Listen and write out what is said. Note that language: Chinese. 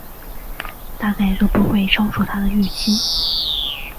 大概都不会超出他的预期